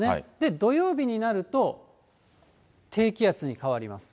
土曜日になると、低気圧に変わります。